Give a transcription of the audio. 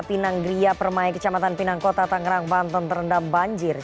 pinanggeria permai kecamatan pinangkota tangerang banten terendam banjir